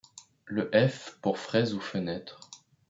le F pour Fraise ou fenêtre